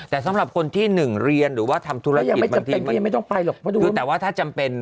แต่สำหรับคนที่หนึ่งเรียนหรือว่าทำธุระยังไม่จำเป็นก็ยังไม่ต้องไปหรอกเพราะดูแต่ว่าถ้าจำเป็น